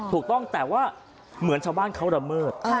ถูกต้องแต่ว่าเหมือนชาวบ้านเขาระเมิด